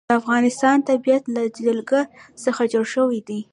د افغانستان طبیعت له جلګه څخه جوړ شوی دی.